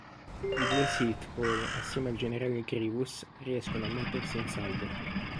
I due Sith poi, assieme al generale Grievous, riescono a mettersi in salvo.